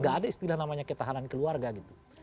gak ada istilah namanya ketahanan keluarga gitu